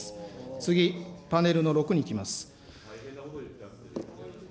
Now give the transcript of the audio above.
次、パネルの６にいきます。